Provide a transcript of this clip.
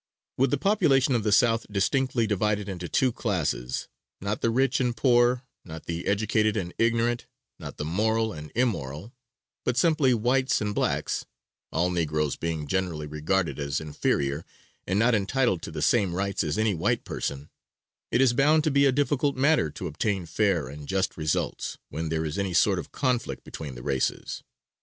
With the population of the South distinctly divided into two classes, not the rich and poor, not the educated and ignorant, not the moral and immoral, but simply whites and blacks, all negroes being generally regarded as inferior and not entitled to the same rights as any white person, it is bound to be a difficult matter to obtain fair and just results, when there is any sort of conflict between the races.